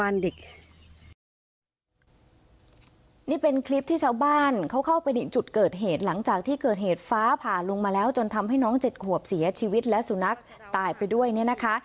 นี่เป็นคลิปที่ชาวบ้านเขาเข้าไปถึงจุดเกิดเหตุหลังจากที่เกิดเหตุฟ้าผ่าลงมาแล้วจนทำให้น้องเจ็ดขวบเสียชีวิตและสุนัขตายไปด้วยเนี่ยนะคะ